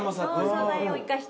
素材を生かした。